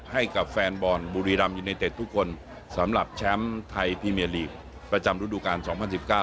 ให้กับแฟนบอลบุรีรัมณ์ยูเนเต็ดทุกคนสำหรับแชมป์ไทยพีเมียร์ลีกประจำรุดุการณ์๒๐๑๙